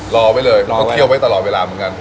ลอไว้เลยเค้าเครียวไว้ตลอดเวลาเหมือนกัน